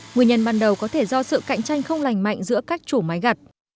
nguyên nhân ban đầu có thể do sự cạnh tranh không lành mạnh giữa các chủ máy gặt